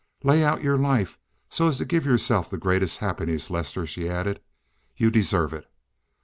Lay out your life so as to give yourself the greatest happiness, Lester," she added. "You deserve it.